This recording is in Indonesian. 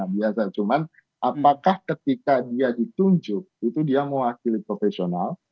biasa cuman apakah ketika dia ditunjuk itu dia mewakili profesional